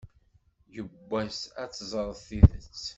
Yiwwas ad teẓreḍ tidet.